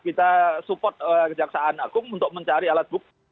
kita support kejaksaan agung untuk mencari alat bukti